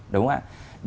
đúng không ạ